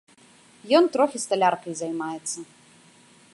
Ён трохі сталяркай займаецца.